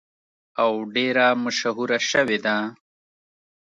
او ډیره مشهوره شوې ده.